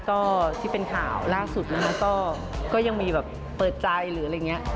ก็ที่เป็นข่าวล่าสุดนะคะก็ยังมีแบบเปิดใจหรืออะไรอย่างนี้